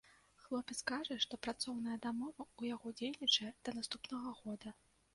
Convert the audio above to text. Хлопец кажа, што працоўная дамова ў яго дзейнічае да наступнага года.